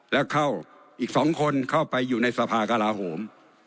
แล้วเข้าอีก๒คนเข้าไปอยู่ในสภากราโหม